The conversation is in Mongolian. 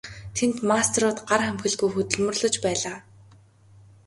Тэнд мастерууд гар хумхилгүй хөдөлмөрлөж байлаа.